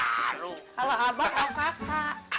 kalau abad okr